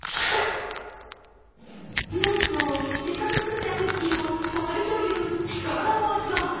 なんとせっかく作ったクッキーを割るという力業。